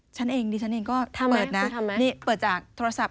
ฉันเองดิฉันเองก็เปิดนะนี่เปิดจากโทรศัพท์